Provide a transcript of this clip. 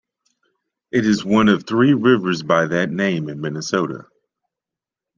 It is one of three rivers by that name in Minnesota.